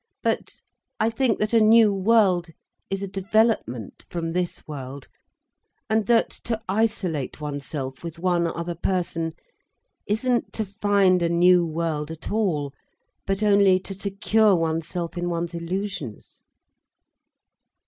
"But I think that a new world is a development from this world, and that to isolate oneself with one other person, isn't to find a new world at all, but only to secure oneself in one's illusions."